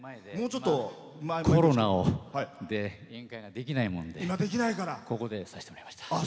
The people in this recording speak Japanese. コロナで宴会ができないもんでここで、させてもらいました。